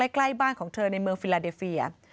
ใกล้บ้านของเธอในเมืองฟิลาเดเฟีย